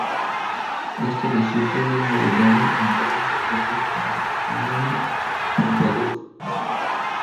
Ésta le sirve de modelo en varios retratos, como ""Madame Pompadour"".